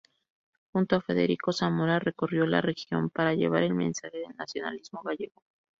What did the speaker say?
Junto a Federico Zamora recorrió la región para llevar el mensaje del nacionalismo gallego.